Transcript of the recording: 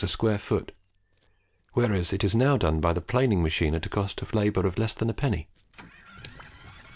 a square foot; whereas it is now done by the planing machine at a cost for labour of less than a penny.